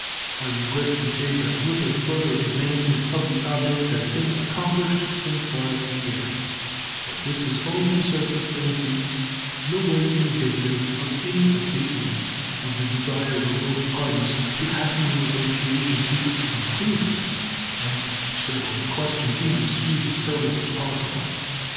I regret to say that little further advancement of the object has been accomplished since last year, but this is owing to circumstances no way indicative of any abatement of the desire of both parties to hasten the negotiation to its conclusion and to settle the question in dispute as early as possible.